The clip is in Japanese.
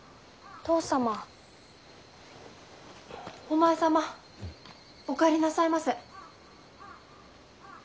お前様お帰りなさいませ。